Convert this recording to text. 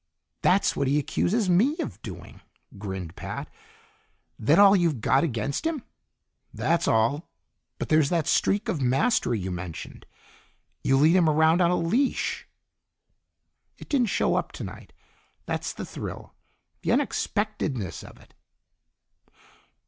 "That's what he accuses me of doing," grinned Pat. "That all you've got against him?" "That's all, but where's that streak of mastery you mentioned? You lead him around on a leash!" "It didn't show up tonight. That's the thrill the unexpectedness of it."